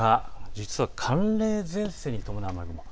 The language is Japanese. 実は寒冷前線に伴うもの。